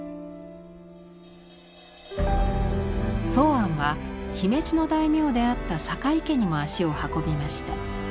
箒庵は姫路の大名であった酒井家にも足を運びました。